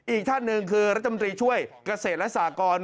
อีกท่านหนึ่งคือรัฐมนตรีช่วยเกษตรและสากร